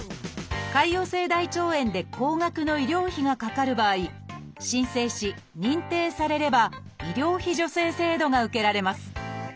潰瘍性大腸炎で高額の医療費がかかる場合申請し認定されれば医療費助成制度が受けられます。